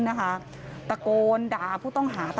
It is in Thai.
โชว์บ้านในพื้นที่เขารู้สึกยังไงกับเรื่องที่เกิดขึ้น